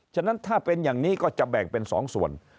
ฉะนั้นถ้าเป็นอย่างนี้ก็จะแบ่งเป็น๒ส่วน